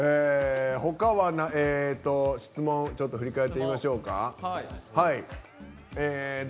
質問振り返ってみましょうか。